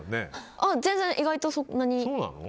全然、意外とそんなに。